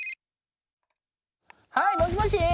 はいもしもし。